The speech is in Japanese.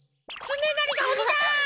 つねなりがおにだ！